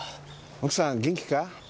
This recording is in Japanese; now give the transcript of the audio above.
奥さん元気か？